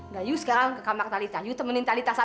nah iu sekarang ke kamar talitha iu temenin talitha sana